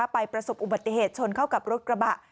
ประสบอุบัติเหตุชนเข้ากับรถกระบะ